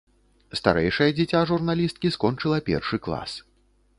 Старэйшае дзіця журналісткі скончыла першы клас.